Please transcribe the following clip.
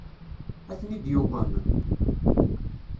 Ad ten-id-yuqem?